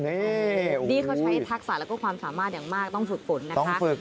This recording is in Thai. นี่เขาใช้ทักษะแล้วก็ความสามารถอย่างมากต้องฝึกฝนนะคะ